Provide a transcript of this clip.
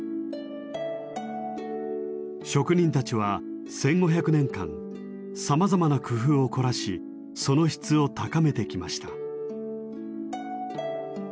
職人たちは１，５００年間さまざまな工夫を凝らしその質を高めてきました。